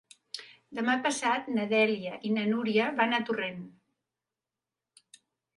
Demà passat na Dèlia i na Núria van a Torrent.